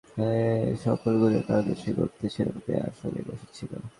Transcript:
এ সকল গুণের কারণেই সে গোত্রের সেনাপতির আসনে বসে ছিল।